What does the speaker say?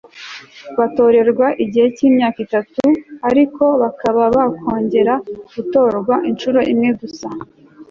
batorerwa igihe cy'imyaka itatu ariko bakaba bakongera gutorwa inshuro imwe gusa